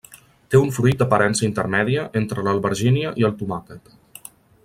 Té un fruit d'aparença intermèdia entre l'albergínia i el tomàquet.